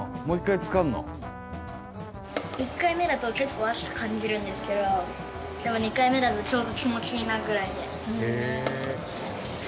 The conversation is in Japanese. １回目だと結構熱く感じるんですけどでも２回目だとちょうど気持ちいいなぐらいで。